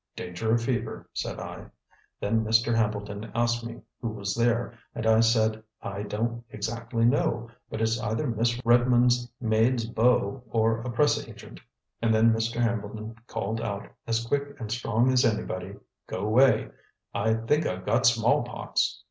'Danger of fever,' said I. Then Mr. Hambleton asked me who was there, and I said, 'I don't exactly know, but it's either Miss Redmond's maid's beau or a press agent,' and then Mr. Hambleton called out, as quick and strong as anybody, 'Go 'way! I think I've got smallpox.'